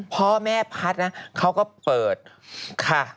พ่อแม่พัฒน์นะเขาก็เปิดค่ะ